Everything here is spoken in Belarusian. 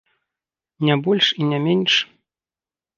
Не больш і не менш.